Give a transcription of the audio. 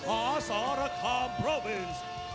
เขาเป็นนักคอร์นสวันโปรวินส์